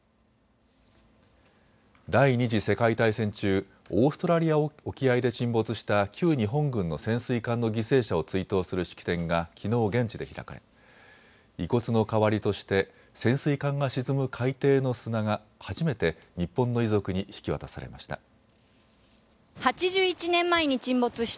第２次世界大戦中、オーストラリア沖合で沈没した旧日本軍の潜水艦の犠牲者を追悼する式典がきのう現地で開かれ遺骨の代わりとして潜水艦が沈む海底の砂が初めて日本の遺族に引き渡されました。